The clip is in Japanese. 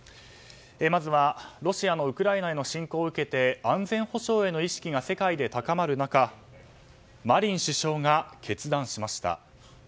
まずはロシアのウクライナへの侵攻を受けて安全保障への意識が世界で高まる中マリン首相が決断しました。